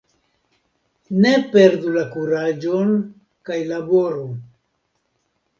Ne perdu la kuraĝon kaj laboru!